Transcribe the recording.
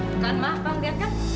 bukan pak lihat kan